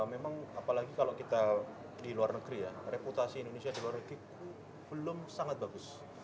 memang apalagi kalau kita di luar negeri ya reputasi indonesia di luar negeri belum sangat bagus